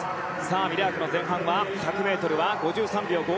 ミラークの前半１００ｍは５３秒５０。